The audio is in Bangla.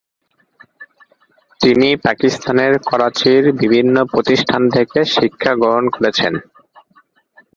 তিনি পাকিস্তানের করাচির বিভিন্ন প্রতিষ্ঠান থেকে শিক্ষা গ্রহণ করেছেন।